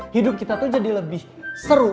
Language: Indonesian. hidup kita tuh jadi lebih seru